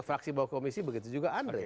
fraksi bawah komisi begitu juga andre